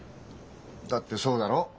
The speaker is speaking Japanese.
だってそうだろう？